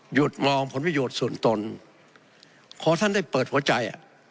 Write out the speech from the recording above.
มองผลประโยชน์ส่วนตนขอท่านได้เปิดหัวใจ